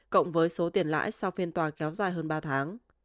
cộng với số tiền lãi sau phiên tòa kéo dài hơn ba tháng